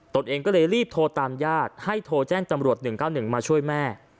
ตัวเองก็เลยรีบโทรตามญาติให้โทรแจ้งจำรวจ๑๙๑มาช่วยแม่